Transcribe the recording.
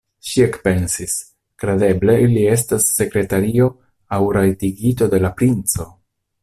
Ŝi ekpensis: kredeble li estas sekretario aŭ rajtigito de la princo!